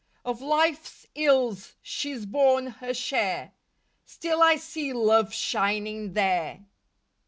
Of life's ills she's born her share Still I see love shining there.